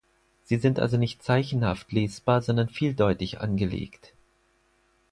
Sie sind also nicht zeichenhaft lesbar, sondern vieldeutig angelegt.